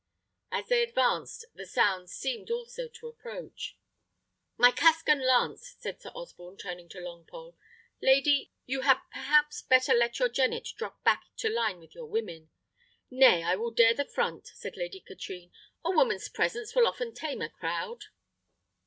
As they advanced, the sounds seemed also to approach. "My casque and lance," said Sir Osborne, turning to Longpole. "Lady, you had perhaps better let your jennet drop back to a line with your women." "Nay, I will dare the front," said Lady Katrine; "a woman's presence will often tame a crowd."